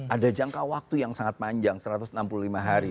ada jangka waktu yang sangat panjang satu ratus enam puluh lima hari